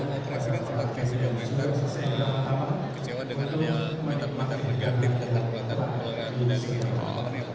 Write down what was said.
terus tadi presiden sempat kecewa dengan ada pemerintah negatif bukan pemerintah keluarga muda